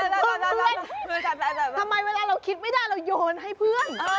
ทำไมเวลาเราคิดไม่ได้เราโยนให้เพื่อน